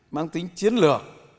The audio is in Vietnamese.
mang tính chiến lược